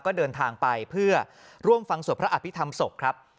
ก็เดินทางไปเพื่อร่วมฟังสวดพระอภิษฐรรมศพครับ